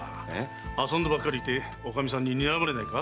遊んでばかりでおかみさんににらまれないか？